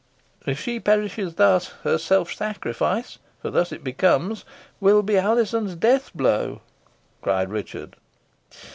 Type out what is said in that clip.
"If she perishes thus, her self sacrifice, for thus it becomes, will be Alizon's death blow," cried Richard.